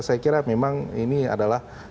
saya kira memang ini adalah